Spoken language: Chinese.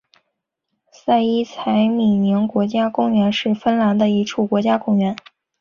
塞伊采米宁国家公园是芬兰的一处国家公园。